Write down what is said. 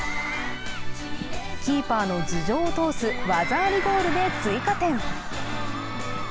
キーパーの頭上を通す技ありゴールで追加点。